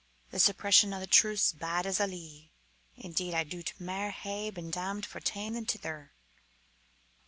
The suppression o' the truth's bad as a lee. Indeed, I doot mair hae been damned for t'ane than t'ither."